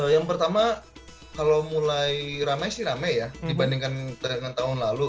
yang pertama kalau mulai ramai sih rame ya dibandingkan dengan tahun lalu